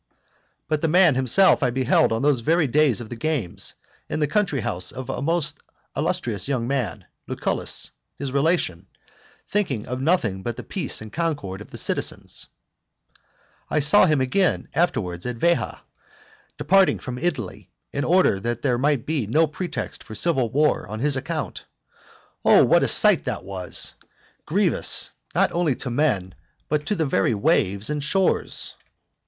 But the man himself I beheld on those very days of the games, in the country house of a most illustrious young man, Lucullus, his relation, thinking of nothing but the peace and concord of the citizens. I saw him again afterwards at Veha, departing from Italy, in order that there might be no pretext for civil war on his account. Oh what a sight was that! grievous, not only to men but to the very waves and shores.